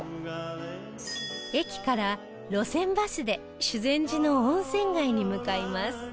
駅から路線バスで修善寺の温泉街に向かいます